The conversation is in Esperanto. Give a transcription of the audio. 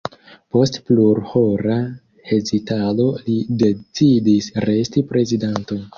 Post plurhora hezitado li decidis resti prezidanto.